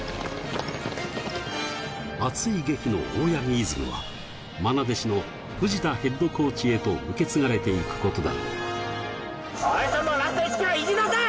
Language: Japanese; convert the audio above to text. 熱い檄の大八木イズムは愛弟子の藤田ヘッドコーチへと受け継がれていくことだ。